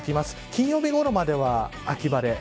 金曜日ごろまでは秋晴れ。